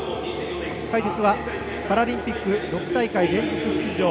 解説はパラリンピック６大会連続出場